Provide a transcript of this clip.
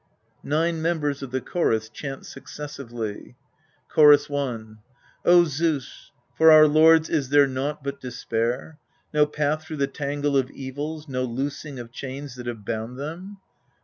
Nine members of the CHORUS chant successively: Chorus i. O Zeus, for our lords is there naught but despair? No path through the tangle of evils, no loosing of chains that have bound them